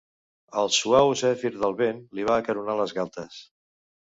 El suau zèfir del vent li va acaronar les galtes.